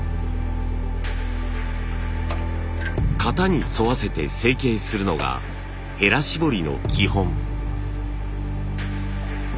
型に沿わせて成型するのがヘラ絞りの基本。